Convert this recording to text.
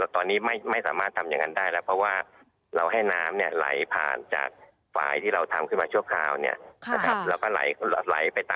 ตอนนี้ไม่สามารถทำจริงได้เพราะว่าน้ำไหลผ่านจากฝ่ายที่เราทำซึ่งเราก็ทำได้หายไป